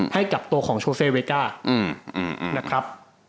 ให้กับตัวของโชเซเวก้านะครับ